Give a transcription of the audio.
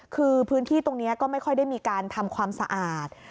คือพื้นที่ตรงนี้ก็ไม่ค่อยได้มีการทำความสะอาด